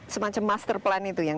semacam master plan itu yang